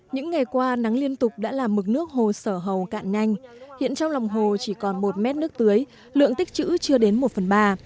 những ngày qua nắng liên tục đã làm mực nước hồ sở hầu cạn nhanh hiện trong lòng hồ chỉ còn một mét nước tưới lượng tích chữ chưa đến một phần ba